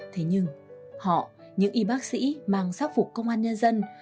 thế nhưng họ những y bác sĩ mang sắc phục công an nhân dân